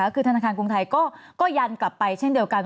คือธนาคารกรุงไทยก็ยันกลับไปเช่นเดียวกัน